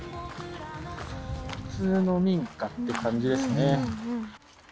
普通の民家って感じですね。